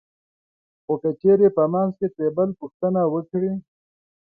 خو که چېرې په منځ کې ترې بل پوښتنه وکړي